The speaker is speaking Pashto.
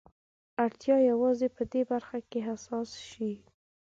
اړتيا يوازې په دې برخه کې حساس شي.